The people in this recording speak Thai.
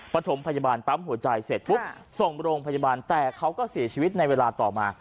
ประถมพยาบาลปั๊มหัวใจเสร็จปุ๊บส่งโรงพยาบาลแต่เขาก็เสียชีวิตในเวลาต่อมา